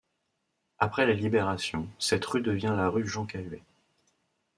Après la libération, cette rue devient la rue Jean Cayet.